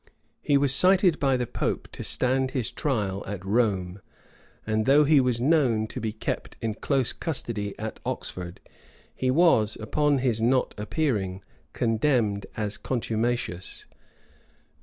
He was cited by the pope to stand his trial at Rome; and though he was known to be kept in close custody at Oxford, he was, upon his not appearing, condemned as contumacious.